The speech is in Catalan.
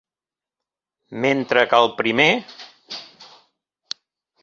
Mentre que el primer.